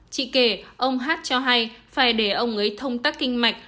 chị kể ông hát cho hay phải để ông ấy thông tác kinh mạch